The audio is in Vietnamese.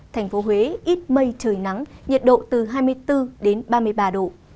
thành phố huế ít mây trời nắng nhiệt độ từ hai mươi bốn đến ba mươi ba độ